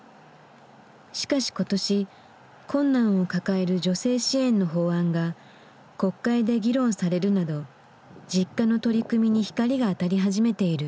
しかし今年困難を抱える女性支援の法案が国会で議論されるなどＪｉｋｋａの取り組みに光が当たり始めている。